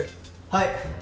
はい！